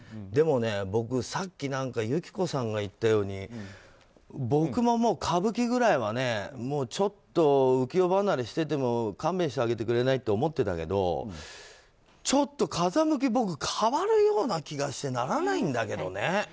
でも僕、さっき友紀子さんが言ったように僕も歌舞伎ぐらいは浮世離れしてても勘弁してあげてくれない？って思ってたけどちょっと風向きが変わるような気がしてならないんだけどね。